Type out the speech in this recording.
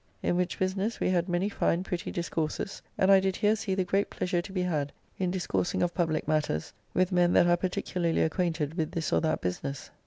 In which business we had many fine pretty discourses; and I did here see the great pleasure to be had in discoursing of publique matters with men that are particularly acquainted with this or that business.